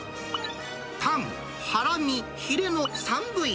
タン、ハラミ、ヒレの３部位。